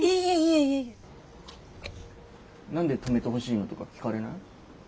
何で泊めてほしいのとか聞かれない？